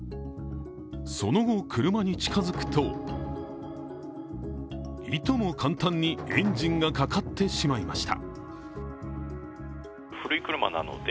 その後、車に近づくと、いとも簡単にエンジンがかかってしまいました。